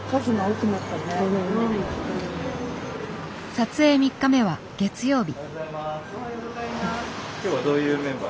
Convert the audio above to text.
撮影３日目は月曜日。